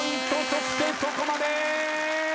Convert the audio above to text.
そしてそこまで。